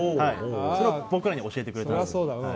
それを僕らに教えてくれたんです。